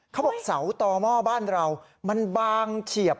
เขาบอกเสาต่อหม้อบ้านเรามันบางเฉียบ